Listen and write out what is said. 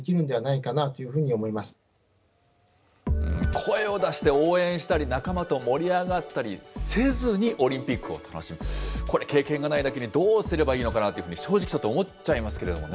声を出して応援したり、仲間と盛り上がったりせずにオリンピックを楽しむ、これ、経験がないだけに、どうすればいいのかなというふうに、正直ちょっと思っちゃいますけれどもね。